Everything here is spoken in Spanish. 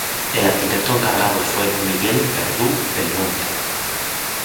El arquitecto encargado fue Miguel Verdú Belmonte.